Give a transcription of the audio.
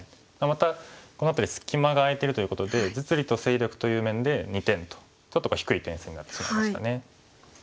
またこの辺り隙間が空いてるということで実利と勢力という面で２点とちょっと低い点数になってしまいましたね。